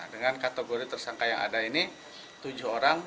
dengan kategori tersangka yang ada ini tujuh orang